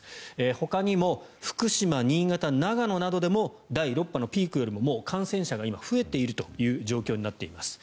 ほかにも福島、新潟、長野などでも第６波のピークよりも感染者が今、増えているという状況になっています。